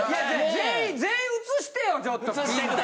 全員全員映してよちょっとピンで。